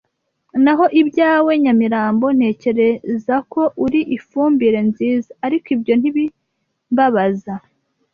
Naho ibyawe Nyamirambo ntekereza ko uri ifumbire nziza, ariko ibyo ntibimbabaza,